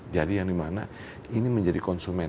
jadi yang dimana ini menjadi konsumen